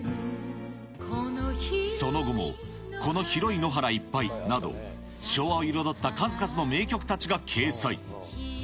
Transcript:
その後も、この広い野原いっぱいなど、昭和を彩った数々の名曲たちが掲載。